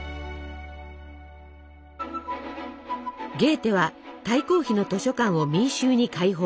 ゲーテは大公妃の図書館を民衆に開放。